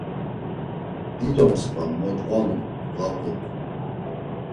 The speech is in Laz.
Dido mskva modvalu bğapup.